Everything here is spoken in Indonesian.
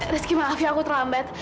rizky maaf ya aku terlambat